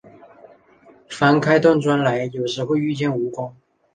翻开断砖来，有时会遇见蜈蚣